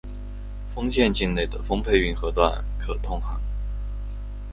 丰县境内的丰沛运河段可通航。